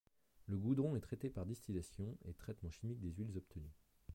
Le goudron est traité par distillation et traitement chimique des huiles obtenues.